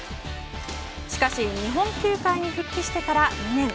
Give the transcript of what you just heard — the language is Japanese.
しかし日本球界に復帰してから２年。